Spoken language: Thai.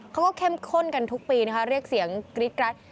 เขาก็เข้มข้นกันทุกปีนะคะเรียกเสียงกรี๊ดรัด